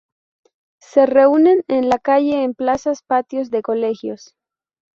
Se reúnen en la calle, en plazas, patios de colegios.